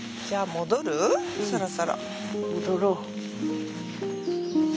戻ろう。